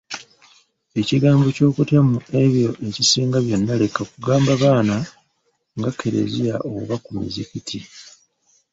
Ekigambo ky’okutya Mu ebyo ekisinga byonna Leka kugamba baana nga Kkereziya oba ku Muzigiti.